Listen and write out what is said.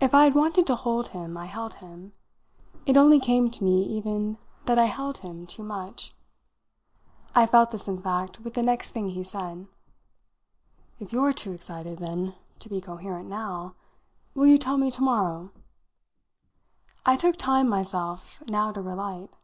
If I had wanted to hold him I held him. It only came to me even that I held him too much. I felt this in fact with the next thing he said. "If you're too excited, then, to be coherent now, will you tell me to morrow?" I took time myself now to relight.